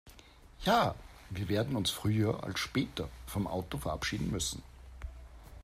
Ja, wir werden uns früher als später vom Auto verabschieden müssen.